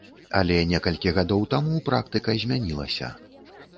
Але некалькі гадоў таму практыка змянілася.